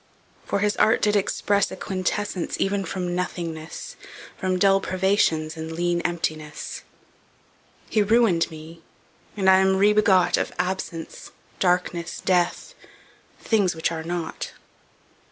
For his art did expresse A quintessence even from nothingnesse, From dull privations, and leane emptinesse: He ruin'd mee, and I am re begot Of absence, darknesse, death; things which are not.